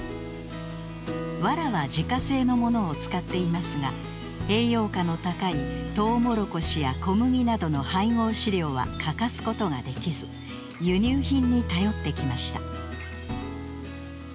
わらは自家製のものを使っていますが栄養価の高いトウモロコシや小麦などの配合飼料は欠かすことができず輸入品に頼ってきました。